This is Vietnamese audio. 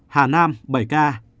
hà nam bảy ca